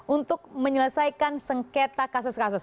untuk menyelesaikan sengketa kasus kasus